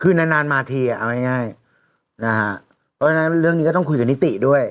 คือนานนานมาทีอะเอาง่ายง่ายนะฮะแล้วเรื่องนี้ก็ต้องคุยกับนิติด้วย